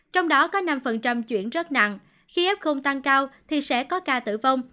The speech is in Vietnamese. trong đó có năm chuyển rất nặng khi ép không tăng cao thì sẽ có ca tử vong